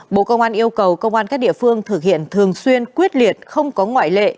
bộ công an yêu cầu công an các địa phương thực hiện thường xuyên quyết liệt không có ngoại lệ